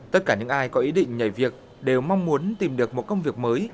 tất cả những ai có ý định nhảy việc đều mong muốn tìm được một công việc mới